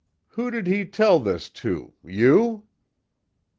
"Who did he tell this to you?"